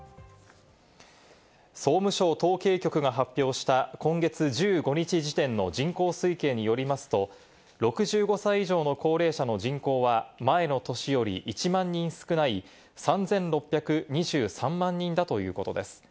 総務省統計局が発表した今月１５日時点の人口推計によりますと、６５歳以上の高齢者の人口は前の年より１万人少ない３６２３万人だということです。